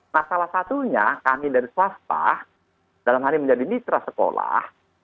nah salah satunya kami dari swasta dalam hal ini menjadi mitra sekolah